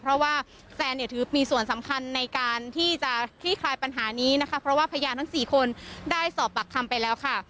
เพราะว่าแซนเนี่ยถือมีส่วนสำคัญในการที่จะคลี่คลายปัญหานี้นะคะเพราะว่าพยานทั้งสี่คนได้สอบปากคำไปแล้วค่ะ